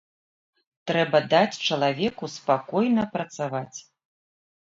Трэба даць чалавеку спакойна працаваць.